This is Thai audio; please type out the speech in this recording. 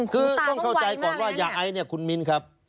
คือต้องเข้าใจก่อนว่ายาไอเนี่ยคุณมิ้นครับ